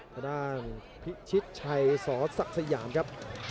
ทางด้านพิชิตชัยสศักดิ์สยามครับ